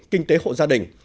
kinh tế hộ gia đình